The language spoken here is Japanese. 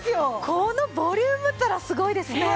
このボリュームったらすごいですね。